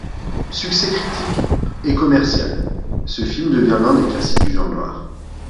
Succès critique et commercial, ce film devient l’un classique du genre noir.